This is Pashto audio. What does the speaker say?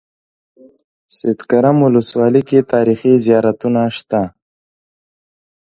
سیدکرم ولسوالۍ کې تاریخي زيارتونه شته.